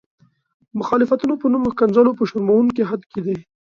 د مخالفتونو په نوم ښکنځلو په شرموونکي حد کې.